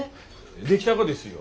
出来たがですよ。